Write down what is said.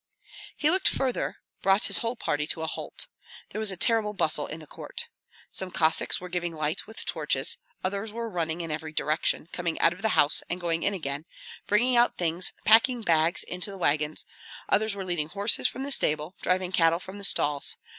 He looked farther; brought his whole party to a halt. There was a terrible bustle in the court. Some Cossacks were giving light with torches; others were running in every direction, coming out of the house and going in again, bringing out things, packing bags into the wagons; others were leading horses from the stable, driving cattle from the stalls.